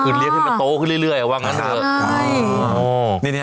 คือเลี้ยงขึ้นมาโต๊ะขึ้นเรื่อยว่างั้นเลย